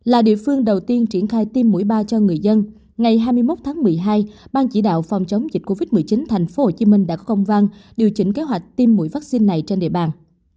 là địa phương đầu tiên triển khai tiêm mũi ba cho người dân ngày hai mươi một tháng một mươi hai ban chỉ đạo phòng chống dịch covid một mươi chín thành phố hồ chí minh đã không vang điều chỉnh kế hoạch tiêm mũi vaccine này trên địa bàn